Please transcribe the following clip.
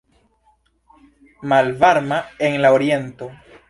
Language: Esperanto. Malvarma en la oriento.